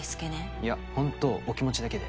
いやほんとお気持ちだけで。